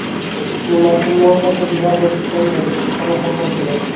তিনি মার্কিন মহিলাকে বিবাহ করেছিলেন যাদের একটি কন্যা সন্তান ছিল।